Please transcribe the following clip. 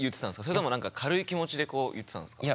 それとも何か軽い気持ちでこう言ってたんですか？